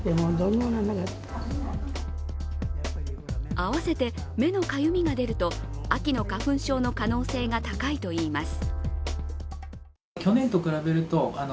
併せて、目のかゆみが出ると秋の花粉症の可能性が高いといいます。